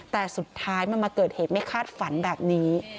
แต่สุดท้ายมันมาเกิดเหตุไม่คาดฝันแบบนี้